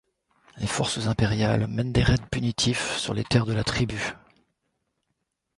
Les forces impériales mènent des raids punitifs sur les terres de la tribu.